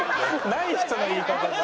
ない人の言い方だ。